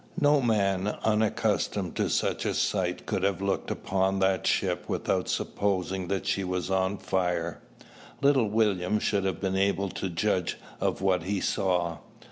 No man unaccustomed to such a sight could have looked upon that ship without supposing that she was on fire. Little William should have been able to judge of what he saw.